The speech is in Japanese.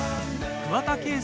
桑田佳祐